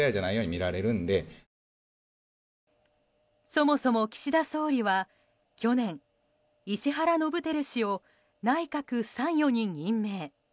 そもそも岸田総理は去年石原伸晃氏を内閣参与に任命。